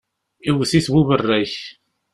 Iwwet-it buberrak.